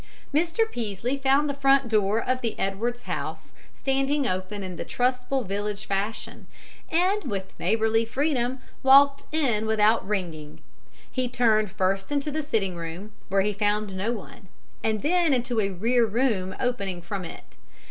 Mr. Peaslee found the front door of the Edwards house standing open in the trustful village fashion, and, with neighborly freedom, walked in without ringing. He turned first into the sitting room, where he found no one, and then into a rear room opening from it.